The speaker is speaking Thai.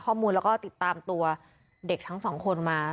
ข้อมูลแล้วก็ติดตามตัวเด็กทั้งสองคนมา